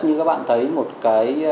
như các bạn thấy một cái